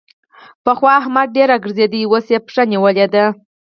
پخوا احمد ډېر راګرځېد؛ اوس يې پښه نيولې ده.